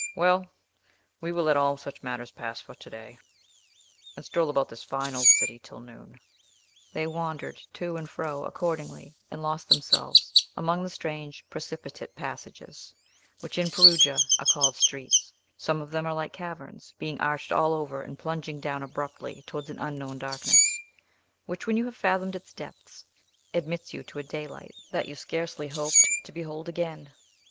Well; we will let all such matters pass for to day, and stroll about this fine old city till noon." They wandered to and fro, accordingly, and lost themselves among the strange, precipitate passages, which, in Perugia, are called streets, Some of them are like caverns, being arched all over, and plunging down abruptly towards an unknown darkness; which, when you have fathomed its depths, admits you to a daylight that you scarcely hoped to behold again.